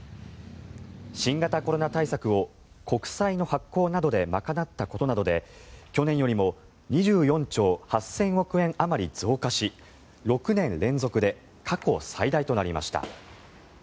新型コロナ対策を国債の発行などで賄ったことなどで去年よりも２４兆８０００億円あまり増加し６年連続で過去最大となりました。